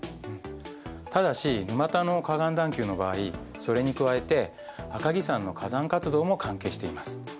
ただし沼田の河岸段丘の場合それに加えて赤城山の火山活動も関係しています。